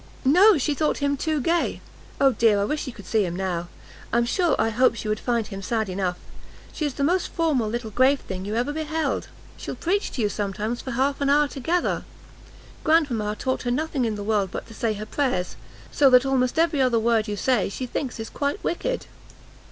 "No, she thought him too gay, Oh dear, I wish she could see him now! I am sure I hope she would find him sad enough! she is the most formal little grave thing you ever beheld; she'll preach to you sometimes for half an hour together. Grandmama taught her nothing in the world but to say her prayers, so that almost every other word you say, she thinks is quite wicked."